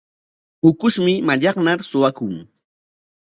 Ukushmi mallaqnar suwakun.